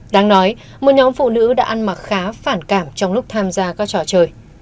đáng nói một nhóm phụ nữ đã ăn mặc khá phản cảm trong lúc tham gia các trò chơi